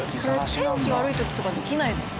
天気悪い時とかできないですよね。